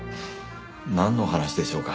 なんの話でしょうか？